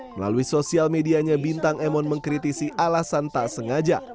melalui sosial medianya bintang emon mengkritisi alasan tak sengaja